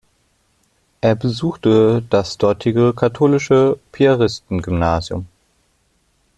Er besuchte das dortige katholische Piaristengymnasium.